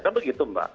kan begitu mbak